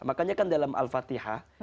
makanya kan dalam al fatihah